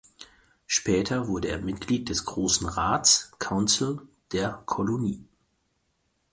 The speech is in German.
Später wurde er Mitglied des Großen Rats (Council) der Kolonie.